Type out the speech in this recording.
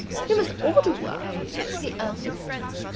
"You must order one," he answered.